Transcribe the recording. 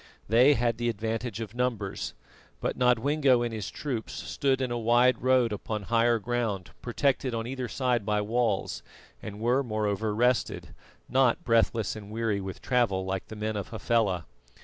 They had the advantage of numbers; but Nodwengo and his troops stood in a wide road upon higher ground protected on either side by walls, and were, moreover, rested, not breathless and weary with travel like the men of Hafela.